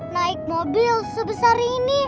naik mobil sebesar ini